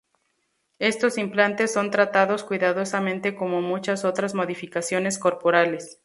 Estos implantes son tratados cuidadosamente como muchas otras modificaciones corporales.